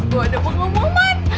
gue ada pengumuman